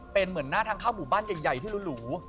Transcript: เป็นเหมือนหน้าทางเข้าหมู่บ้านใหญ่ที่หรู